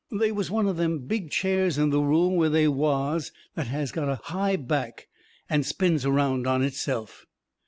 They was one of them big chairs in the room where they was that has got a high back and spins around on itself.